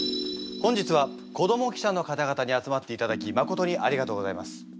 本日は子ども記者の方々に集まっていただきまことにありがとうございます。